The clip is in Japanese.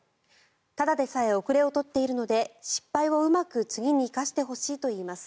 ただでさえ後れを取っているので失敗を、うまく次に生かしてほしいといいます。